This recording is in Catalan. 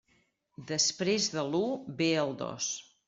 Després de l'u ve el dos.